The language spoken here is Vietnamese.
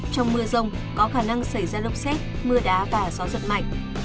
trong mưa rông có khả năng xảy ra lốc xét mưa đá và gió giật mạnh